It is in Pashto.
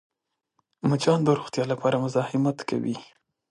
مچان د روغتیا لپاره مزاحمت کوي